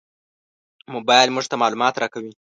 موبایل موږ ته معلومات راکوي.